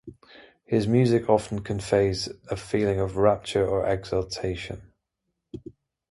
His music often conveys a feeling of rapture or exaltation.